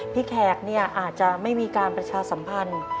แขกอาจจะไม่มีการประชาสัมพันธ์